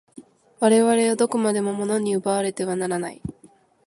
我々はどこまでも物に奪われてはならない。